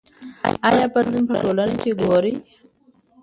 آیا بدلونونه په ټولنه کې ګورئ؟